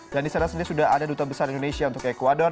dan disana sendiri sudah ada duta besar indonesia untuk ecuador